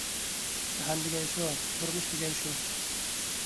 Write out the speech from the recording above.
جاھان دېگەن شۇ، تۇرمۇش دېگەن شۇ!